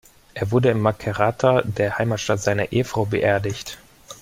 Er wurde in Macerata, der Heimatstadt seiner Ehefrau, beerdigt.